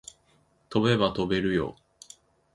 飛べば飛べるよ